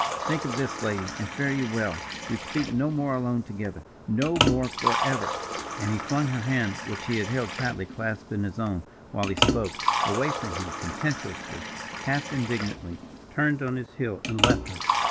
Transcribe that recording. Think of this, lady, and fare you well. We speak no more alone together no more, forever!" And he flung her hand, which he had held tightly clasped in his own while he spoke, away from him contemptuously, half indignantly, turned on his heel and left her.